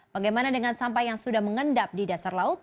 bagaimana dengan sampah yang sudah mengendap di dasar laut